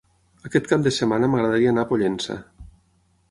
Aquest cap de setmana m'agradaria anar a Pollença.